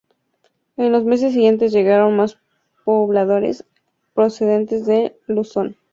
En los meses siguientes llegaron mas pobladores procedentes de Luzón.